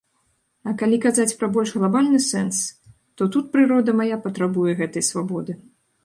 А калі казаць пра больш глабальны сэнс, то тут прырода мая патрабуе гэтай свабоды.